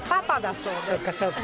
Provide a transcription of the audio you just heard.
そっかそっか。